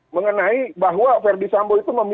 mengenai bahwa verdi sambo itu